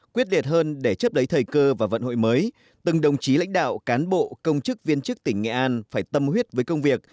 quyết liệt hơn để chấp lấy thời cơ và vận hội mới từng đồng chí lãnh đạo cán bộ công chức viên chức tỉnh nghệ an phải tâm huyết với công việc